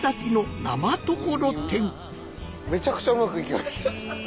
めちゃくちゃうまくいきました。